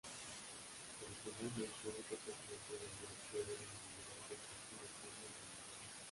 Adicionalmente, fue presidente del directorio en Bolivar del partido Cambio radical.